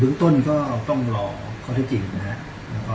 จากตอนนี้ก็ต้องรอข้อที่จริงนะครับ